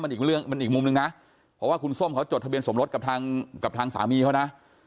มันอีกมุมนึงนะเพราะว่าคุณส้มเขาจดทะเบียนสมรสกับทางสามีเขานะ